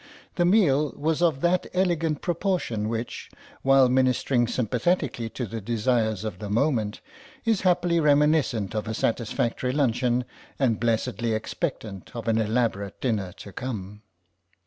The meal was of that elegant proportion which, while ministering sympathetically to the desires of the moment, is happily reminiscent of a satisfactory luncheon and blessedly expectant of an elaborate dinner to come.